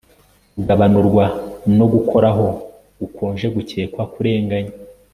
Kugabanurwa no gukoraho gukonje gukekwa kurenganya